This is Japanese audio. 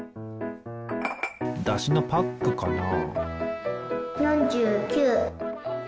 だしのパックかな？